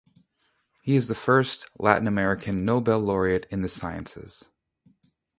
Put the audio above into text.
He is the first Latin American Nobel laureate in the sciences.